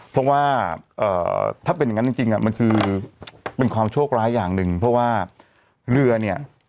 เพราะว่าถ้าเป็นอย่างนั้นจริงมันคือเป็นความโชคร้ายอย่างหนึ่งเพราะว่าเรือเนี่ย